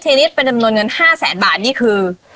ประจำนวนเงิน๕๐๐บาทนี่คือ